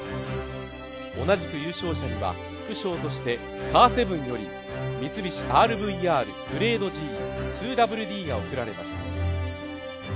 同じく優勝者には副賞としてカーセブンより三菱ＲＶＲグレードＧ２ＷＤが贈られます。